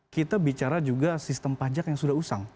kita bicara juga sistem pajak yang sudah usang